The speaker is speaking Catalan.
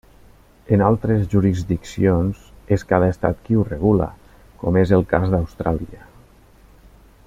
En altres jurisdiccions és cada estat qui ho regula, com és el cas d'Austràlia.